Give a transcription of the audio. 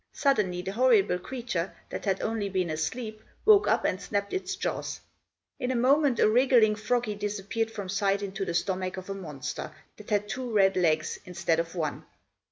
Suddenly the horrible creature, that had only been asleep, woke up and snapped its jaws. In a moment, a wriggling froggy disappeared from sight into the stomach of a monster, that had two red legs, instead of one.